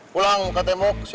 pulang kata moks ya